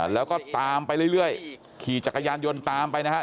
แล้วก็ตามไปเรื่อยขี่จักรยานยนต์ตามไปนะฮะ